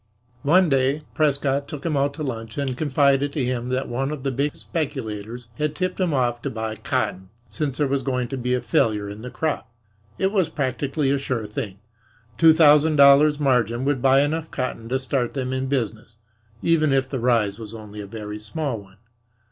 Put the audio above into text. One day Prescott took him out to lunch and confided to him that one of the big speculators had tipped him off to buy cotton, since there was going to be a failure in the crop. It was practically a sure thing. Two thousand dollars' margin would buy enough cotton to start them in business, even if the rise was only a very small one.